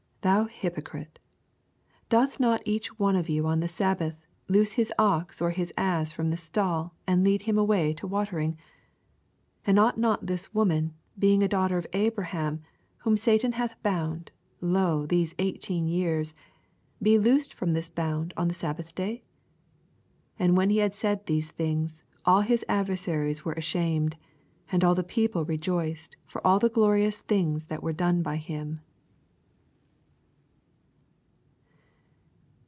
Thou hypocrite, doth not each one of you on the sabbath loose his ox or his ass f^om the stall, and lead him away to watering ? 16 And ought not this woman, be ing a daughter of Abraham, whom Satan hath bound, lo, these eighteen years, be loosed from this bond on the sabbath day ? 17 And when he had said these things, all his adversaries were asha med : and all the people rejoiced for all the glorious things that were don« by him.